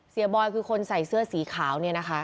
เซียบอยคือคนใส่เสื้อสีขาว